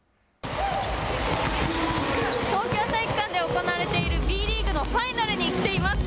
東京体育館で行われているＢリーグのファイナルに来ています。